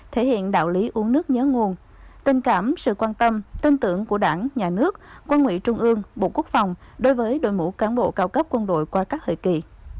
thể hiện đạo lý uống nước nhớ nguồn tình cảm sự quan tâm tin tưởng của đảng nhà nước quân ủy trung ương bộ quốc phòng đối với đội ngũ cán bộ cao cấp quân đội qua các thời kỳ